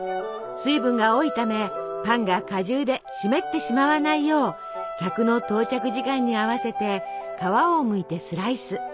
水分が多いためパンが果汁で湿ってしまわないよう客の到着時間に合わせて皮をむいてスライス。